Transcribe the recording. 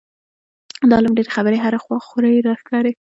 د عالم ډېرې خبرې هره خوا خورې لښکرې.